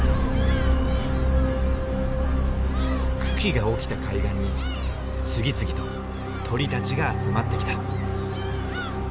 群来が起きた海岸に次々と鳥たちが集まってきた。